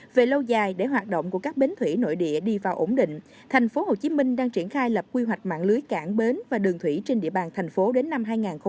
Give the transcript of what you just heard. về lâu dài để hoạt động của các bến thủy nội địa đi vào ổn định tp hcm đang triển khai lập quy hoạch mạng lưới cảng bến và đường thủy trên địa bàn thành phố đến năm hai nghìn ba mươi